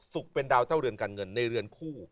เป็นดาวเจ้าเรือนการเงินในเรือนคู่